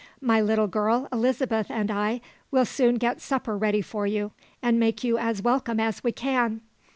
My little girl Elizabeth and I will soon get supper ready for you, and make you as welcome as we can.